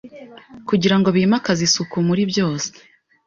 kugira ngo bimakaze isuku muri byose